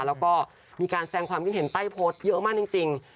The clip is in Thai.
แล้วก็มีการแสงความคิดเห็นใต้โพสต์เยอะมากจริง